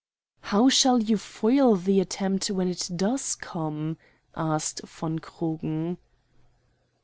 "How shall you foil the attempt when it does come?" asked von Krugen.